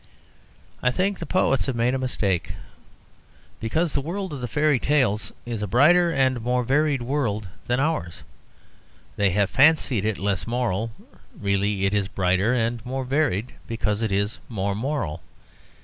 I think the poets have made a mistake: because the world of the fairy tales is a brighter and more varied world than ours, they have fancied it less moral; really it is brighter and more varied because it is more moral.